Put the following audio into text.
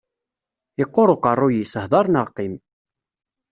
Yeqqur uqerruy-is, hder neɣ qqim.